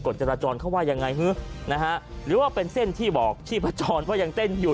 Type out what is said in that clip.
จราจรเขาว่ายังไงฮะนะฮะหรือว่าเป็นเส้นที่บอกชีพจรว่ายังเต้นอยู่